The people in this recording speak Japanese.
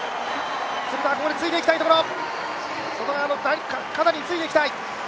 鶴田はここでついて行きたいところ。